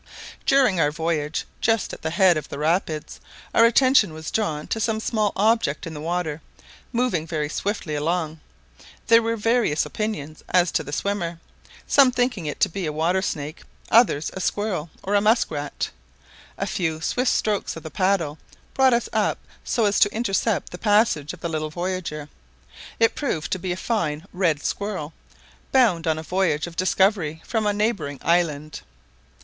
During our voyage, just at the head of the rapids, our attention was drawn to some small object in the water, moving very swiftly along; there were various opinions as to the swimmer, some thinking it to be a water snake, others a squirrel, or a musk rat; a few swift strokes of the paddles brought us up so as to intercept the passage of the little voyager; it proved to be a fine red squirrel, bound on a voyage of discovery from a neighbouring island.